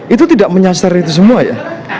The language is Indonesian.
itu tidak menyasar itu semua ya